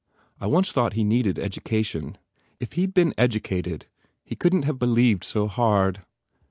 ... I once thought he needed edu cation. ... If he d been educated, he couldn t have believed so hard.